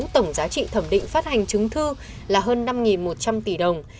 tổng giá trị thẩm định phát hành chứng thư là hơn năm một trăm linh tỷ đồng